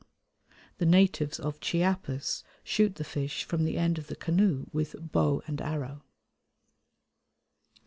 The natives of Chiapas shoot the fish from the end of the canoe with bow and arrow.